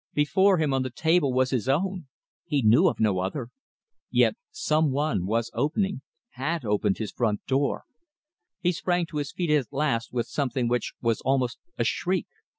Before him on the table was his own he knew of no other. Yet some one was opening, had opened his front door! He sprang to his feet at last with something which was almost a shriek.